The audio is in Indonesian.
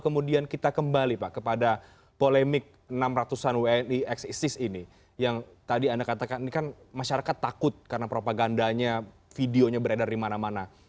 kembali pak kepada polemik enam ratusan wni eksistis ini yang tadi anda katakan ini kan masyarakat takut karena propagandanya videonya beredar di mana mana